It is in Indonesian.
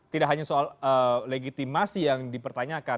tidak hanya soal legitimasi yang dipertanyakan